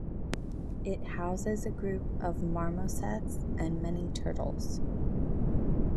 It houses a group of marmosets and many turtles.